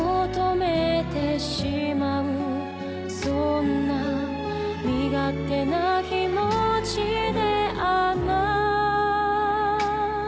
「そんな身勝手な気持ちであなたを」